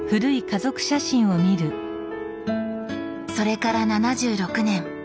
それから７６年。